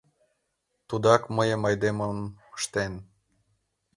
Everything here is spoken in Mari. — Тудак мыйым айдемым ыштен.